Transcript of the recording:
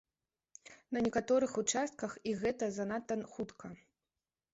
На некаторых участках і гэта занадта хутка.